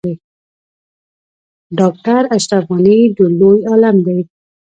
ډاکټر اشرف غنی ډیر لوی عالم دی